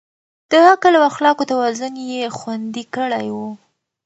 د عقل او اخلاقو توازن يې خوندي کړی و.